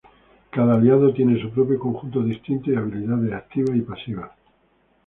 Cada aliado tiene su propio conjunto distinto de habilidades activas y pasivas.